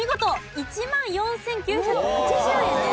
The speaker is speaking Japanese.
１万４９８０円です。